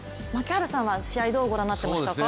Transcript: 槙原さんは、試合、どうご覧になってましたか？